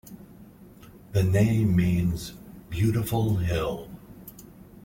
The name means "beautiful hill".